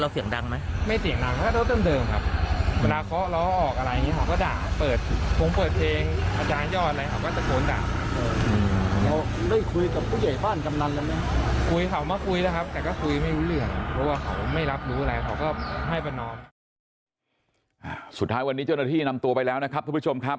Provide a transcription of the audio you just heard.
สุดท้ายวันนี้เจ้าหน้าที่นำตัวไปแล้วนะครับทุกผู้ชมครับ